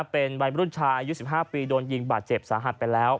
เป็นวัยรุ่นชายอายุ๑๕ปีโดนยิงบาดเจ็บสาหัสไปแล้ว